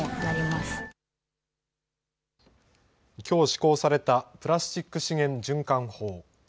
きょう施行されたプラスチック資源循環法。